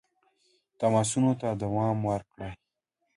تماسونو ته دوام ورکړ.